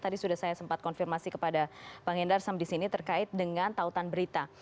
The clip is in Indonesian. tadi sudah saya sempat konfirmasi kepada bang hendarsam di sini terkait dengan tautan berita